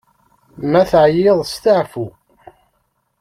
Ma teɛyiḍ, steɛfu!